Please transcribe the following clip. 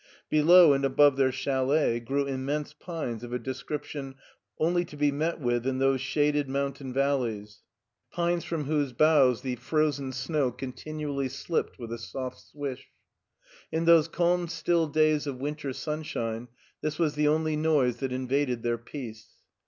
Below and above their chalet grew immense pines of a description Qiily to be met with in those shaded mountain valleys, 141 142 MARTIN SCHt)LER pines from whose boughs the frozen snow continually slipped with a soft swish. In those calm still days of winter sunshine this was the only noise that invaded their peace.